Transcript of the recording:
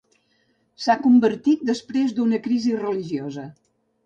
S'ha convertit després d'una crisi religiosa.